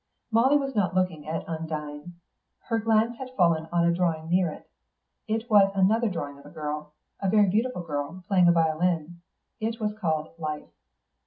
Molly was not looking at Undine. Her glance had fallen on a drawing near it. It was another drawing of a girl; a very beautiful girl, playing a violin. It was called "Life."